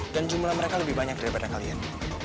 dan jumlah mereka lebih banyak daripada kalian